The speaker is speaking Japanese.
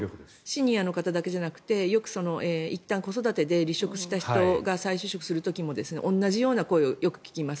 シニアの方だけじゃなくてよく、いったん子育てで離職した人が再就職する時も同じような声をよく聞きます。